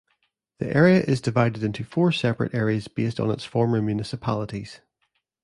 The area is divided into four separate areas based on its former municipalities.